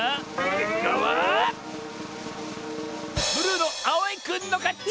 けっかはブルーのあおいくんのかち！